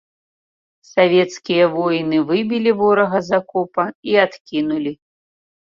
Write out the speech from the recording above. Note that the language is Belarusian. Савецкія воіны выбілі ворага з акопа і адкінулі.